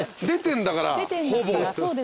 出てんだからほぼ。